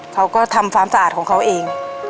เขาก็ทำความสะอาดของเขาเอง